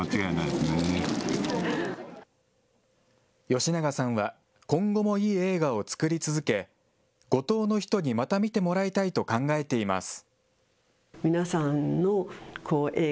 吉永さんは、今後もいい映画を作り続け、五島の人にまた見てもらいたいと考えています。